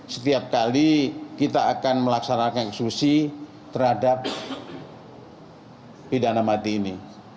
setiap kali kita akan melaksanakan eksekusi terhadap pidana mati ini